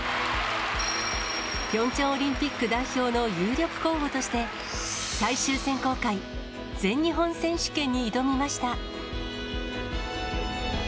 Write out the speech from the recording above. ピョンチャンオリンピック代表の有力候補として、最終選考会、全日本選手権に挑みました。